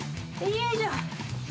よいしょ。